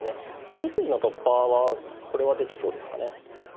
２筋の突破はこれはできそうですかね。